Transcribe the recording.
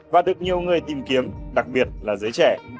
và được nhiều người tìm kiếm đặc biệt là giới trẻ